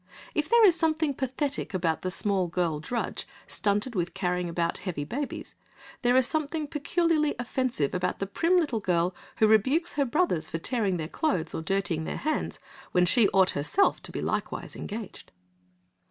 If there is something pathetic about the small girl drudge, stunted with carrying about heavy babies, there is something peculiarly offensive about the prim little girl who rebukes her brothers for tearing their clothes or dirtying their hands, when she ought herself to be likewise engaged.